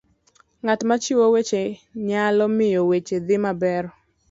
ng'at machiwo weche nyalo miyo weche dhi maber